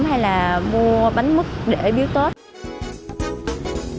hay là mua bánh mứt để biếu tết